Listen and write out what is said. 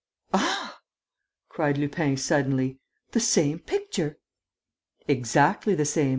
"Ah!" cried Lupin, suddenly. "The same picture!" "Exactly the same!"